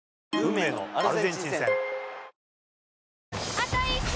あと１周！